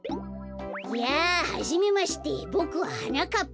やあはじめましてボクははなかっぱ。